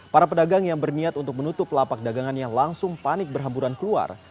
para pedagang yang berniat untuk menutup lapak dagangan yang langsung panik berhamburan keluar